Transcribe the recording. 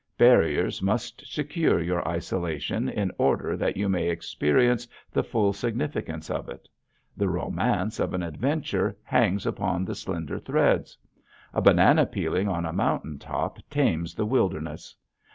Barriers must secure your isolation in order that you may experience the full significance of it. The romance of an adventure hangs upon slender threads. A banana peeling on a mountain top tames the wilderness.